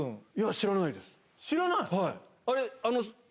知らない？